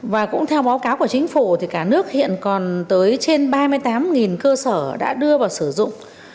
và cũng theo báo cáo của chính phủ thì cả nước hiện còn tới trên ba mươi tám cơ sở đã đưa vào sử dụng